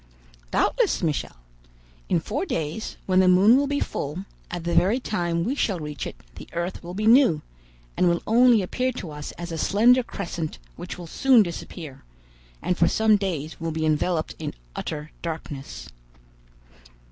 "Doubtless, Michel. In four days, when the moon will be full, at the very time we shall reach it, the earth will be new, and will only appear to us as a slender crescent which will soon disappear, and for some days will be enveloped in utter darkness."